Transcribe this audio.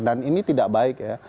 dan ini tidak baik ya